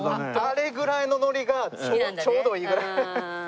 あれぐらいのノリがちょうどいいぐらい。